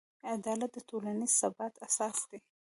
عدالت د ټولنیز ثبات اساس دی.